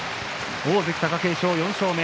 大関貴景勝、４勝目。